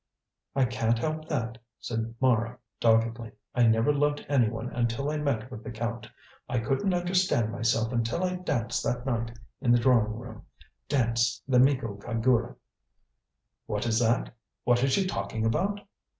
"I can't help that," said Mara doggedly; "I never loved anyone until I met with the Count. I couldn't understand myself until I danced that night in the drawing room. Danced the Miko kagura." "What is that? What is she talking about?"